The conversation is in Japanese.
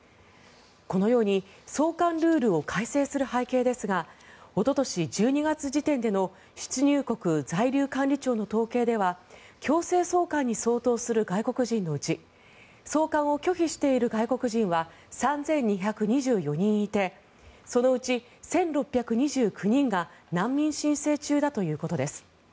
このように送還ルールを改正する背景ですがおととし１２月時点での出入国在留管理庁の統計では強制送還に相当する外国人のうち送還を拒否している外国人は３２２４人いてそのうち１６２９人が難民申請中だということです。